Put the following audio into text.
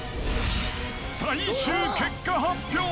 最終結果発表。